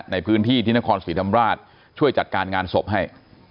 ในพื้นที่ที่นครศรีธรรมราชช่วยจัดการงานศพให้